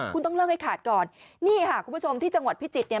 คุณต้องเลิกให้ขาดก่อนนี่ค่ะคุณผู้ชมที่จังหวัดพิจิตรเนี่ย